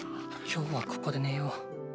今日はここで寝よう。